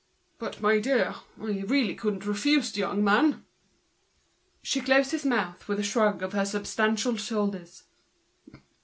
"But, my dear, I really could not refuse the young man." She closed his mouth with a shrug of her substantial shoulders.